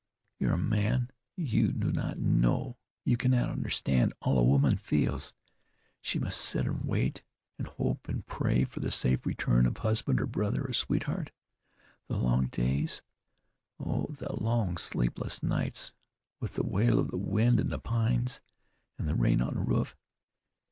You are a man; you do not know, you cannot understand all a woman feels. She must sit and wait, and hope, and pray for the safe return of husband or brother or sweetheart. The long days! Oh, the long sleepless nights, with the wail of the wind in the pines, and the rain on the roof!